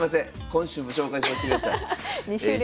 今週も紹介さしてください。